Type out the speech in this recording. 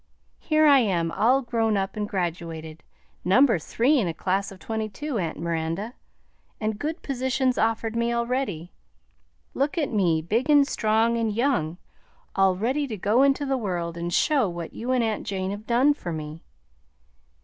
Here I am all grown up and graduated, number three in a class of twenty two, aunt Miranda, and good positions offered me already. Look at me, big and strong and young, all ready to go into the world and show what you and aunt Jane have done for me.